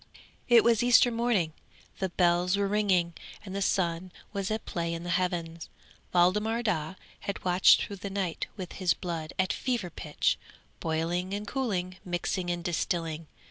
'It was Easter morning, the bells were ringing, and the sun was at play in the heavens. Waldemar Daa had watched through the night with his blood at fever pitch; boiling and cooling, mixing and distilling.